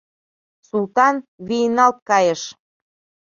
Султан вийналт кайыш.